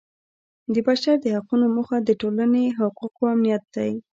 د بشر د حقونو موخه د ټولنې حقوقو امنیت دی.